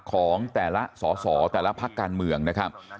ของแต่ละสอสอแต่ละพักการเมืองนะครับ